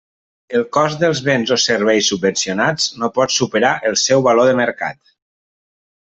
El cost dels béns o serveis subvencionats no pot superar el seu valor de mercat.